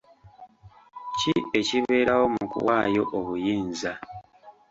Ki ekibeerawo mu kuwaayo obuyinza?